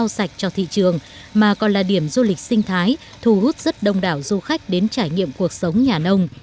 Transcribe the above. làng rau là điểm du lịch sinh thái thu hút rất đông đảo du khách đến trải nghiệm cuộc sống nhà nông